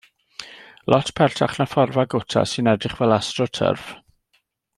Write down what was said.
Lot pertach na phorfa gwta sy'n edrych fel AstroTurf.